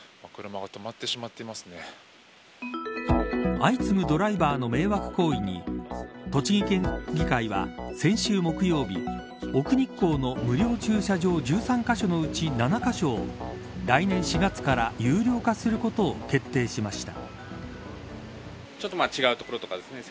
相次ぐドライバーの迷惑行為に栃木県議会は先週木曜日奥日光の無料駐車場１３カ所のうち７カ所を来年４月から有料化することを決定しました。